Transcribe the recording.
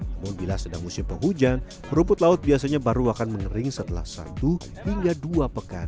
namun bila sedang musim penghujan rumput laut biasanya baru akan mengering setelah satu hingga dua pekan